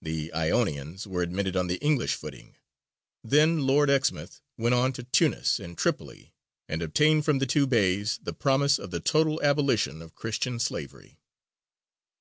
The Ionians were admitted on the English footing. Then Lord Exmouth went on to Tunis and Tripoli, and obtained from the two Beys the promise of the total abolition of Christian slavery.